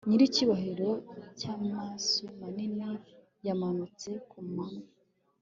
Nyiricyubahiro cyamaso manini yamanutse ku mwana